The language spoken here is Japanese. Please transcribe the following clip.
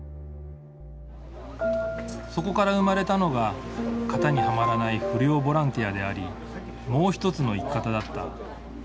そこから生まれたのが型にはまらない不良ボランティアであり「もう一つの生き方」だった。